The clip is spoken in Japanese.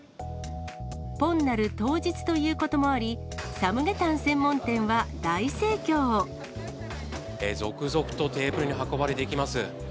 ポンナル当日ということもあり、続々とテーブルに運ばれていきます。